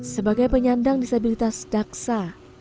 sebagai penyandang disabilitas daksa